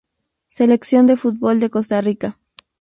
Selección de fútbol de Costa Rica.